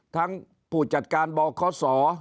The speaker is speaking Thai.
ทั้งผู้จัดการบคศ